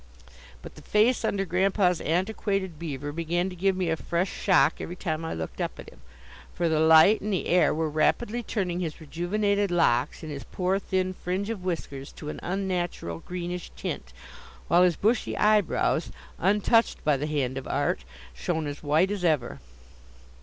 But the face under Grandpa's antiquated beaver began to give me a fresh shock every time I looked up at him, for the light and the air were rapidly turning his rejuvenated locks and his poor, thin fringe of whiskers to an unnatural greenish tint, while his bushy eyebrows, untouched by the hand of art, shone as white as ever.